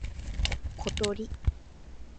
ことり